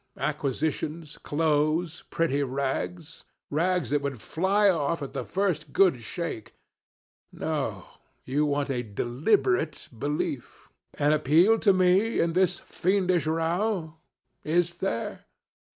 Acquisitions, clothes, pretty rags rags that would fly off at the first good shake. No; you want a deliberate belief. An appeal to me in this fiendish row is there?